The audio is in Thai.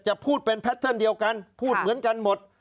พูดเป็นแพทเทิร์นเดียวกันพูดเหมือนกันหมด